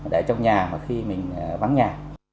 để trong nhà mà khi mình vắng nhà